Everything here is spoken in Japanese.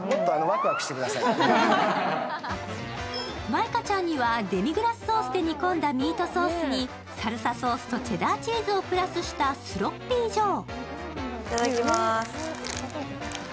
舞香ちゃんにはデミグラスソースで煮込んだミートソースにサルサソースとチェダーチーズソースをプラスしたスロッピージョー。